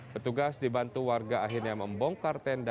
petugas dibantu warga akhirnya membongkar tenda